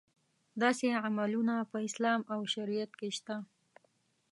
داسې عملونه په اسلام او شریعت کې شته.